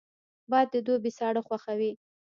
باد د دوبي ساړه خوښوي